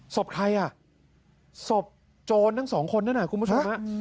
ศพใครอ่ะศพโจรทั้งสองคนนั่นน่ะคุณผู้ชมฮะ